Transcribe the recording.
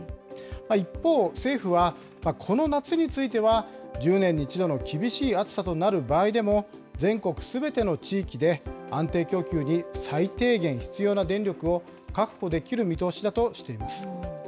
一方、政府はこの夏については、１０年に一度の厳しい暑さとなる場合でも、全国すべての地域で安定供給に最低限必要な電力を確保できる見通しだとしています。